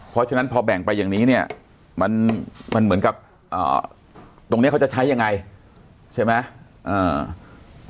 เพราะฉะนั้นพอแบ่งไปอย่างนี้เนี่ยมันเหมือนกับตรงนี้เขาจะใช้ยังไงใช่ไหม